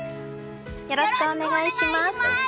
よろしくお願いします！